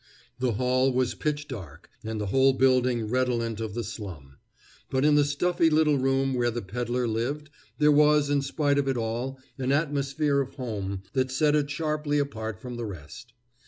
The hall was pitch dark, and the whole building redolent of the slum; but in the stuffy little room where the peddler lived there was, in spite of it all, an atmosphere of home that set it sharply apart from the rest.